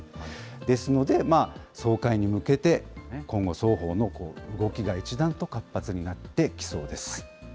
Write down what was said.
ですので、総会に向けて、今後、双方の動きが一段と活発になってきそうです。